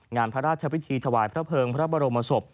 งานพระราชพิธีถวายพระเภิงพระบรมศพ